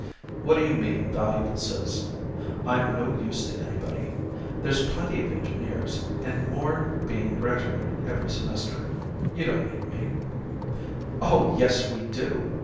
"What do you mean, 'valuable citizen'? I'm no use to anybody. There's plenty of engineers, and more being graduated every semester. You don't need me." "Oh, yes, we do!"